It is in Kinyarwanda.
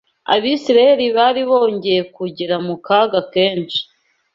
Abisirayeli bari bongeye kugera mu kaga kenshi